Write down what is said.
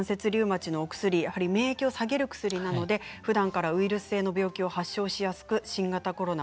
お薬は免疫を下げる薬なのでふだんからウイルス性の病気を発症しやすく新型コロナ